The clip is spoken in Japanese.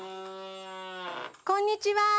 こんにちは！